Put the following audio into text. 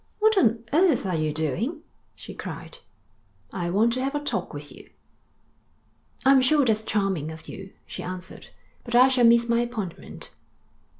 'What on earth are you doing?' she cried. 'I want to have a talk to you.' 'I'm sure that's charming of you,' she answered, 'but I shall miss my appointment.'